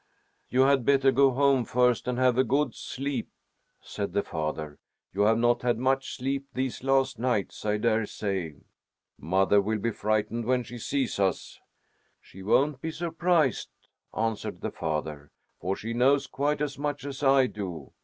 "You had better go home first and have a good sleep," said the father. "You have not had much sleep these last nights, I dare say." "Mother will be frightened when she sees us." "She won't be surprised," answered the father, "for she knows quite as much as I do.